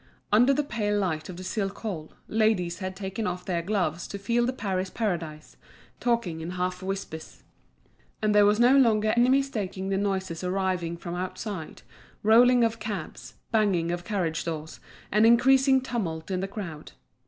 Under the pale light of the silk hall, ladies had taken off their gloves to feel the Paris Paradise, talking in half whispers. And there was no longer any mistaking the noises arriving from outside, rolling of cabs, banging of carriage doors, an increasing tumult in the crowd.